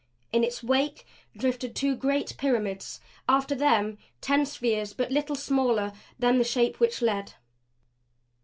In its wake drifted two great pyramids; after them ten spheres but little smaller than the Shape which led.